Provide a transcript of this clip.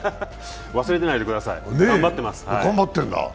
忘れないでください。頑張ってるんですから。